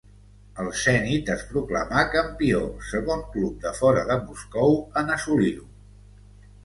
El Zenit es proclamà campió, segon club de fora de Moscou en assolir-ho.